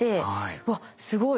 わっすごい。